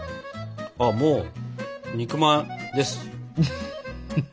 もう肉まんです。